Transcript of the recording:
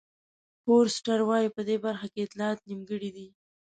فورسټر وایي په دې برخه کې اطلاعات نیمګړي دي.